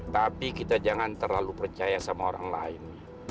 tapi kita jangan terlalu percaya sama orang lain